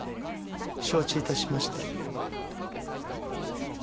承知致しました。